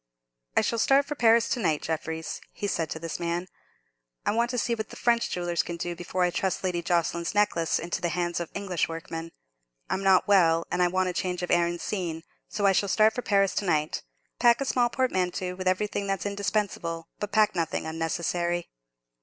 "I shall start for Paris to night, Jeffreys," he said to this man. "I want to see what the French jewellers can do before I trust Lady Jocelyn's necklace into the hands of English workmen. I'm not well, and I want change of air and scene, so I shall start for Paris to night. Pack a small portmanteau with everything that's indispensable, but pack nothing unnecessary."